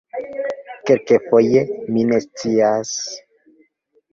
Kelkfoje... mi ne scias...